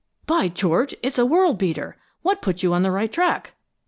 "By George, it's a world beater! What put you on the right track?"